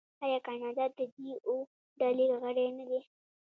آیا کاناډا د جي اوه ډلې غړی نه دی؟